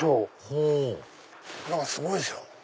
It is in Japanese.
ほう何かすごいですよ。